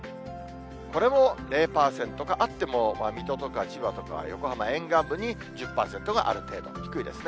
これも０％か、あっても水戸とか千葉とか横浜、沿岸部に１０％がある程度、低いですね。